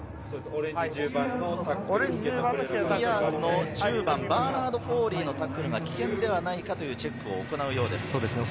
スピアーズの１０番、バーナード・フォーリーのタックルが危険ではないかというチェックを行うようです。